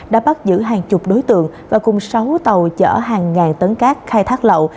đã bắt giữ hàng chục đối tượng và cùng sáu tàu chở hàng ngàn tấn cát khai thác lậu